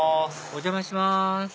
お邪魔します